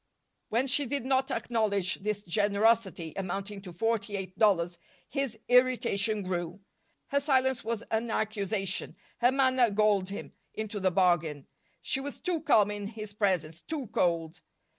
When she did not acknowledge this generosity, amounting to forty eight dollars, his irritation grew. Her silence was an accusation. Her manner galled him, into the bargain. She was too calm in his presence, too cold.